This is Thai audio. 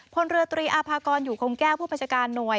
พลเรือตรีอาภากรอยู่คงแก้วผู้บัญชาการหน่วย